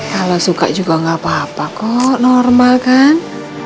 kalau suka juga gak apa apa kok normal kan